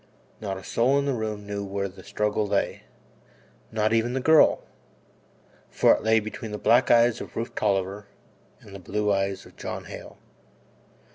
Not a soul in the room knew where the struggle lay not even the girl for it lay between the black eyes of Rufe Tolliver and the blue eyes of John Hale.